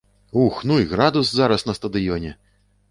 Ух, ну і градус зараз на стадыёне!